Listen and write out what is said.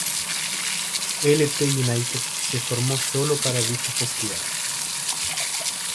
Lt United se formó solo para dicho festival.